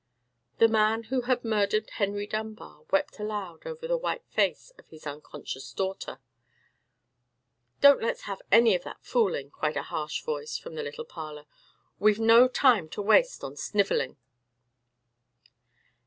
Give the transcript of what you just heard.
The man who had murdered Henry Dunbar wept aloud over the white face of his unconscious daughter. "Don't let's have any of that fooling," cried a harsh voice from the little parlour; "we've no time to waste on snivelling!"